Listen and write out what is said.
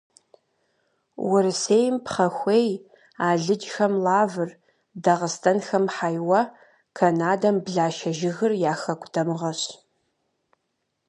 Урысейм пхъэхуей, алыджхэм лавр, дагъыстэнхэм хьэиуэ, канадэм блашэ жыгыр я хэку дамыгъэщ.